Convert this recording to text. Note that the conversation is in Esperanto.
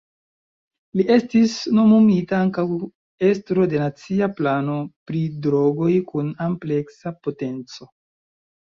Li estis nomumita ankaŭ estro de Nacia Plano pri Drogoj kun ampleksa potenco.